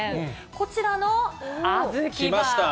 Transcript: こちらの、あずきバー。